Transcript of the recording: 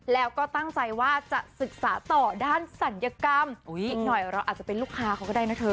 แล้วก็ตั้งใจว่าจะศึกษาต่อด้านศัลยกรรมอีกหน่อยเราอาจจะเป็นลูกค้าเขาก็ได้นะเธอ